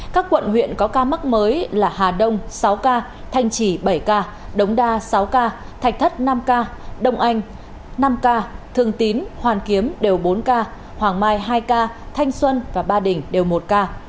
các quận huyện có ca mắc mới là hà đông sáu ca thanh trì bảy ca đống đa sáu ca thạch thất năm ca đông anh năm ca thường tín hoàn kiếm đều bốn ca hoàng mai hai ca thanh xuân và ba đình đều một ca